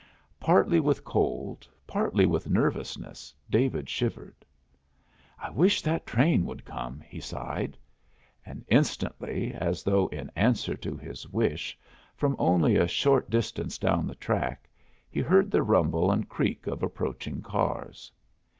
Partly with cold, partly with nervousness, David shivered. "I wish that train would come," he sighed. And instantly, as though in answer to his wish, from only a short distance down the track he heard the rumble and creak of approaching cars.